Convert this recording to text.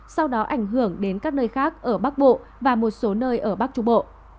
sau đó ảnh hưởng đến các nơi khác ở bắc bộ và một số nơi ở bắc trung bộ